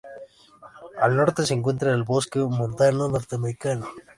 Al norte se encuentra el bosque montano norteafricano, en Marruecos, Argelia y Túnez.